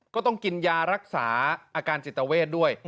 ก็ต้องกินยารักษาอาการจิตเวทด้วย